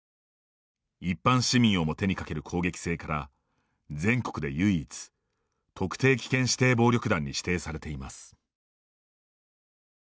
一般市民をも手にかける攻撃性から全国で唯一特定危険指定暴力団に指定されています。